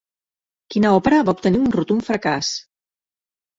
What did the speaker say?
Quina òpera va obtenir un rotund fracàs?